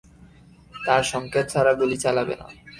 তার সংকেত ছাড়া গুলি চালাবে না।